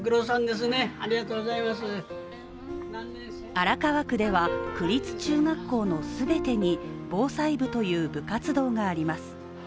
荒川区では区立中学校の全てに防災部という部活動があります。